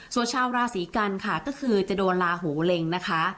ส่วนชาวราศีกันค่ะก็คือจะโดนลาหูเล็งนะคะ